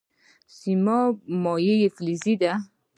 سیماب یو مایع فلز دی.